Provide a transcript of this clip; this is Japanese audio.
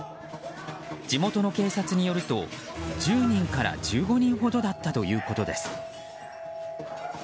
地元の警察によると１０人から１５人ほどだったということです。